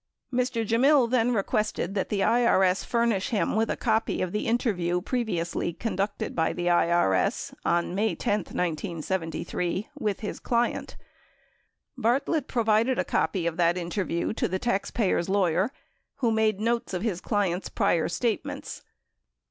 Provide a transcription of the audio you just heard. Mr. Gemmill then requested that the IRS furnish him with a copy of the interview previously conducted by the IRS on May 10, 1973, with his client. Bartlett pro vided a copy of that interview to the taxpayer's lawyer who made notes of his client's prior statements.